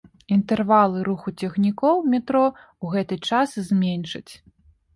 Інтэрвалы руху цягнікоў метро ў гэты час зменшаць.